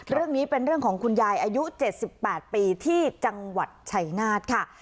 เรื่องนี้เป็นเรื่องของคุณยายอายุ๗๘ปีที่จังหวัดชัยนาธค่ะ